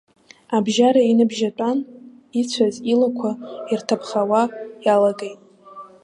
Абжьара иныбжьатәан, ицәаз илақәа ирҭаԥхауа иалагеит.